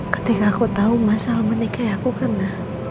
ketika aku tau masal menikah ya aku kena